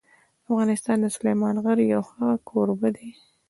افغانستان د سلیمان غر یو ښه کوربه دی.